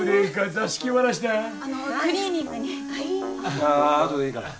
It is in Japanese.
あ後でいいから。